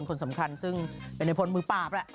เป็นในพลมือปาปล่ะ